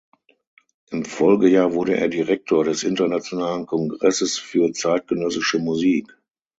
Im Folgejahr wurde er Direktor des Internationalen Kongresses für zeitgenössische Musik.